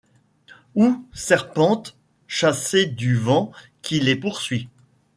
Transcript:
Où serpentent, chassés du vent qui les poursuit